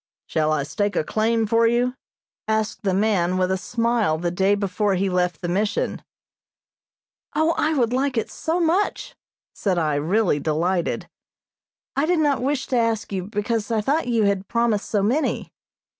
"Shall I stake a claim for you?" asked the man with a smile the day before he left the Mission. "O, I would like it so much!" said I, really delighted. "I did not wish to ask you, because I thought you had promised so many."